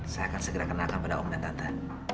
saya akan segera kenalkan pada om dan tante